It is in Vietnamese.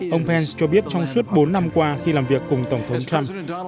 ông pence cho biết trong suốt bốn năm qua khi làm việc cùng tổng thống trump